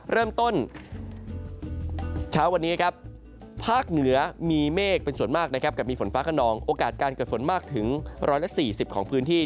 เริ่มต้นเช้าวันนี้ครับภาคเหนือมีเมฆเป็นส่วนมากนะครับกับมีฝนฟ้าขนองโอกาสการเกิดฝนมากถึง๑๔๐ของพื้นที่